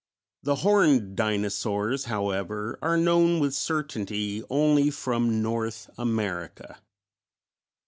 The Horned Dinosaurs, however, are known with certainty only from North America.